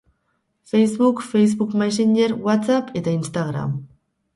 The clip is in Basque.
Facebook, Facebook Messenger, Whatsapp eta Instagram.